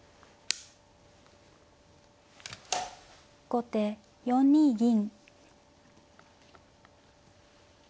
後手４二銀。